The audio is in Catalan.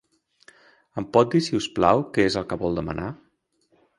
Em pot dir, si us plau, què és el que vol demanar?